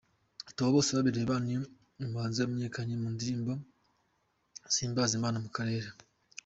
Theo Bosebabireba, ni umuhanzi wamamaye mu indirimbo zihimbaza Imana mu Karere.